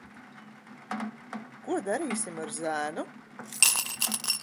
Ko darīsim ar zēnu?